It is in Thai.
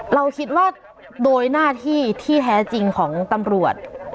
เราคิดว่าโดยหน้าที่ที่แท้จริงของตำรวจ